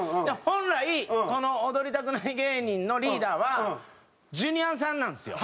本来この踊りたくない芸人のリーダーはジュニアさんなんですよ。